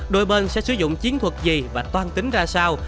đôi bên sẽ sử dụng chiến thuật gì và toan tính ra sao